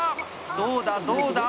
どうだ、どうだ。